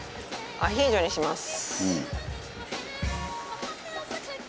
アヒージョにします。